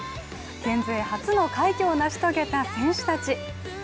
県勢初の快挙を成し遂げた選手たち。